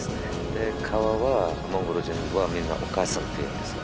で川はモンゴル人はみんなお母さんっていうんですよ